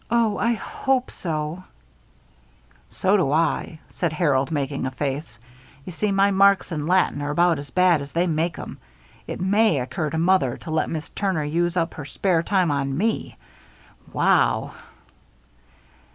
"Oh, I hope so." "So do I," said Harold, making a face. "You see, my marks in Latin are about as bad as they make 'em. It may occur to mother to let Miss Turner use up her spare time on me. Wow!"